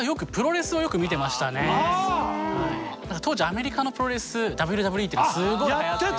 僕は当時アメリカのプロレスＷＷＥっていうのがすごいはやってて。